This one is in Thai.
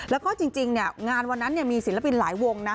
แล้วก็จริงงานวันนั้นมีศิลปินหลายวงนะ